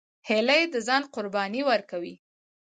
هیلۍ د ځان قرباني ورکوي